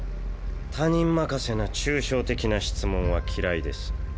他人任せな抽象的な質問は嫌いです。